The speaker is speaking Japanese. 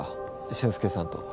俊介さんと。